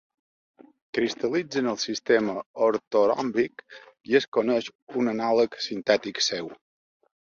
Cristal·litza en el sistema ortoròmbic i es coneix un anàleg sintètic seu.